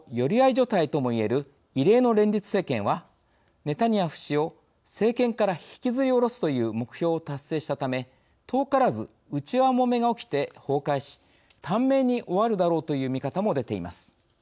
所帯とも言える異例の連立政権はネタニヤフ氏を政権から引きずり下ろすという目標を達成したため遠からず内輪もめが起きて崩壊し短命に終わるだろうという見方も出ています。